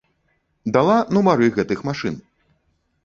Дала нумары гэтых машын.